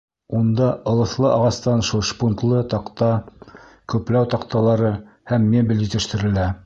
Унда ылыҫлы ағастан шпунтлы таҡта, көпләү таҡталары һәм мебель етештерелә.